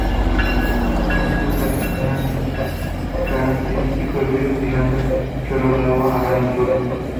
Chimeneas cercanas que generan característicos ruidos y lanzan chorros de agua a gran altura.